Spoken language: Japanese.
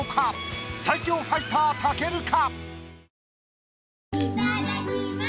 最強ファイター武尊か？